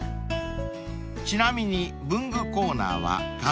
［ちなみに文具コーナーは完全予約制］